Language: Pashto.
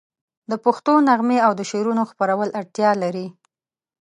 د پښتو نغمې او د شعرونو خپرول اړتیا لري.